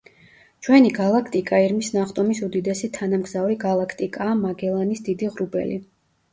ჩვენი გალაქტიკა ირმის ნახტომის უდიდესი თანამგზავრი გალაქტიკაა მაგელანის დიდი ღრუბელი.